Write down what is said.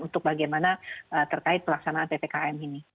untuk bagaimana terkait pelaksanaan ppkm ini